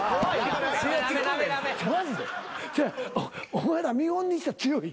お前ら見本にしては強い。